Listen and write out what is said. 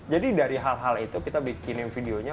jadi dari hal hal itu kita bikinin videonya